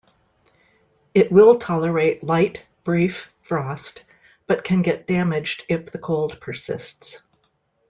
It will tolerate light brief frost, but can get damaged if the cold persists.